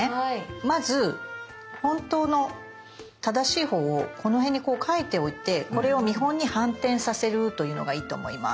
まず本当の正しいほうをこの辺にこう描いておいてこれを見本に反転させるというのがいいと思います。